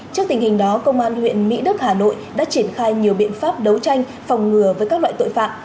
trước tình hình đó công an huyện mỹ đức hà nội đã triển khai nhiều biện pháp đấu tranh phòng ngừa với các loại tội phạm